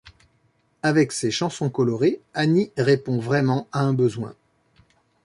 Avec ses chansons colorées, Annie répond vraiment à un besoin!